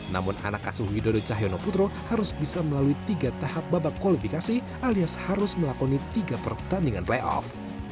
namun anak asuh widodo cahyono putro harus bisa melalui tiga tahap babak kualifikasi alias harus melakoni tiga pertandingan playoff